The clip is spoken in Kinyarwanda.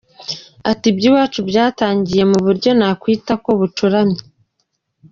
Ati "Iby’iwacu byatangiye mu buryo nakwita ko bucuramye.